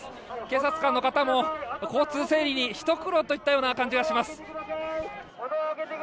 警察官の方も、交通整理にひと苦労といった感じがします。